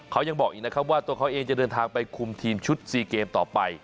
เขายังบอกอีกนะครับว่าตัวเขาเองจะเดินทางไปคุมทีมชุด๔เกมต่อไป